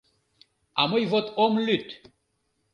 — А мый вот ом лӱд!..